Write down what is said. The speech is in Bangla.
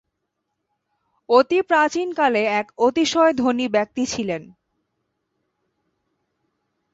অতি প্রাচীনকালে এক অতিশয় ধনী ব্যক্তি ছিলেন।